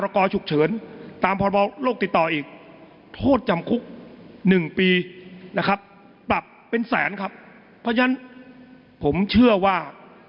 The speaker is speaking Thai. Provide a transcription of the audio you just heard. กับแสนครับฉะนั้นผมเชื่อว่า